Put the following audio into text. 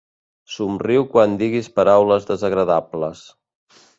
Somriu quan diguis paraules desagradables.